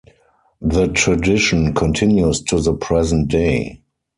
The tradition continues to the present day.